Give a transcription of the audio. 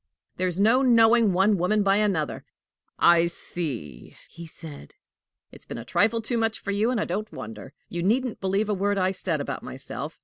"There's no knowing one woman by another!" "I see!" he said; "it's been a trifle too much for you, and I don't wonder! You needn't believe a word I said about myself.